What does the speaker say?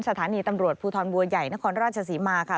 สถานีตำรวจภูทรบัวใหญ่นครราชศรีมาค่ะ